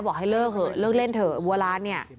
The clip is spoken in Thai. บอกให้เลิกเล่นเถอะบัวลานเนี่ย